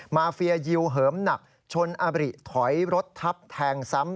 มาเฟียยิวเหิมหนักชนอบริถอยรถทับแทงซ้ำ